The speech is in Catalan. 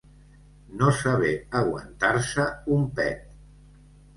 No saber aguantar-se un pet.